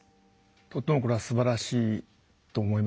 とってもこれはすばらしいと思いますね。